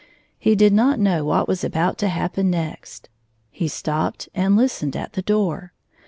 He did not know what was about to happen next. He stopped and listened at the door.